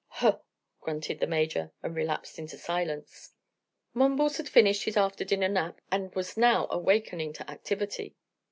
"Huh!" grunted the Major, and relapsed into silence. Mumbles had finished his after dinner nap and was now awakening to activity.